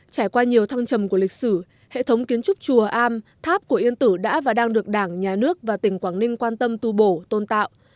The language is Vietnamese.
trải qua nhiều thăng trầm của lịch sử hệ thống kiến trúc chùa am tháp của yên tử đã và đang được đảng nhà nước và tỉnh quảng ninh quan tâm tu bổ tôn tạo